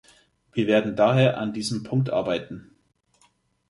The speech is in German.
Wir werden daher an diesem Punkt arbeiten.